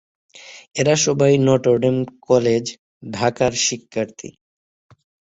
এরা সবাই Notre Dame college, ঢাকার শিক্ষার্থী।